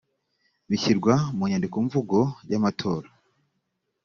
bishyirwa mu nyandikomvugo y amatora